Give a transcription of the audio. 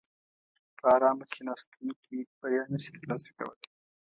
په ارامه کیناستونکي بریا نشي ترلاسه کولای.